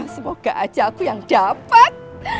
semoga aja aku yang dapat